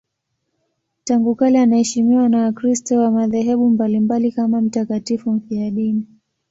Tangu kale anaheshimiwa na Wakristo wa madhehebu mbalimbali kama mtakatifu mfiadini.